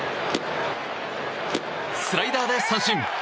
スライダーで三振。